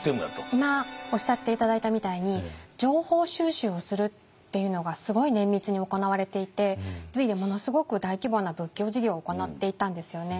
今おっしゃって頂いたみたいに情報収集をするっていうのがすごい綿密に行われていて隋でものすごく大規模な仏教事業を行っていたんですよね。